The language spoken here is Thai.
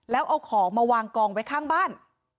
แล้วเอาของมาวางกองไว้ข้างบ้าน